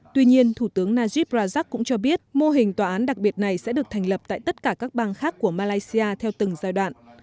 tuy nhiên thủ tướng najib rajak cũng cho biết mô hình tòa án đặc biệt này sẽ được thành lập tại tất cả các bang khác của malaysia theo từng giai đoạn